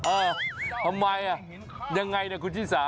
เออทำไมอ่ะยังไงนะคุณที่สา